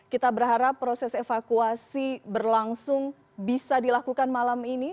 kita berharap proses evakuasi berlangsung bisa dilakukan malam ini